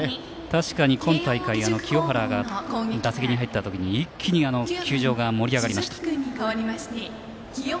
確かに今大会清原が打席に入ったときに一気に球場が盛り上がりました。